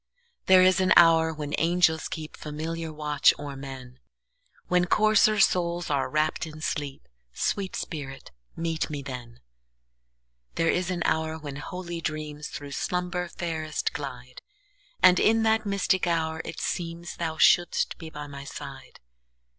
There is an hour when angels keepFamiliar watch o'er men, When coarser souls are wrapp'd in sleep—Sweet spirit, meet me then! There is an hour when holy dreamsThrough slumber fairest glide; And in that mystic hour it seemsThou shouldst be by my side.